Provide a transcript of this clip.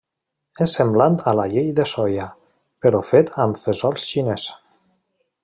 És semblant a la llet de soia, però fet amb fesol xinès.